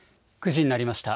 ９時になりました。